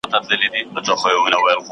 موږ باید ځان د ټولنې له بدلون سره عیار کړو.